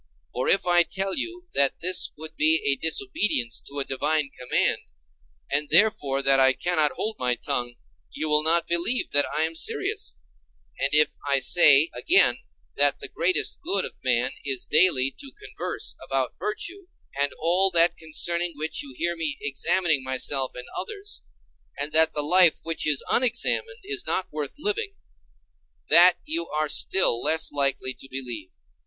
For if I tell you that this would be a disobedience to a divine command, and therefore that I cannot hold my tongue, you will not believe that I am serious; and if I say again that the greatest good of man is daily to converse about virtue, and all that concerning which you hear me examining myself and others, and that the life which is unexamined is not worth living—that you are still less likely to believe.